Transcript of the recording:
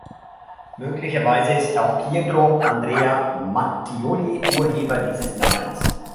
Möglicherweise ist auch Pietro Andrea Mattioli Urheber dieses Namens.